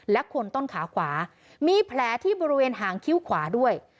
และคนต้นขาขวามีแผลที่บริเวณหางคิ้วขวาด้วย